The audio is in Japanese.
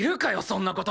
そんな事！